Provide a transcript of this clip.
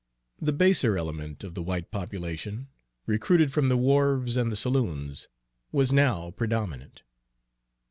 The baser element of the white population, recruited from the wharves and the saloons, was now predominant.